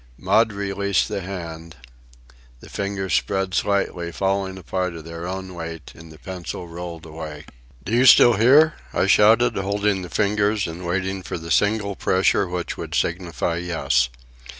Maud released the hand. The fingers spread slightly, falling apart of their own weight, and the pencil rolled away. "Do you still hear?" I shouted, holding the fingers and waiting for the single pressure which would signify "Yes."